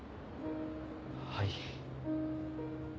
はい。